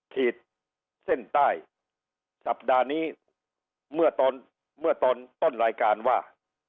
ขีดเส้นใต้สัปดาห์นี้เมื่อตอนเมื่อตอนต้นรายการว่า